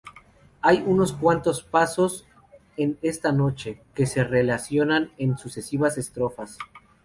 Hay unos cuantos pasos en esta noche, que se relacionan en sucesivas estrofas.